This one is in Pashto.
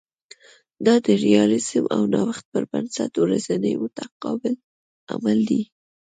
دا د ریالیزم او نوښت پر بنسټ ورځنی متقابل عمل دی